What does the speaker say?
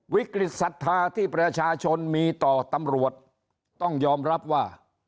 วิกฤตศรัทธาที่ประชาชนมีต่อตำรวจต้องยอมรับว่า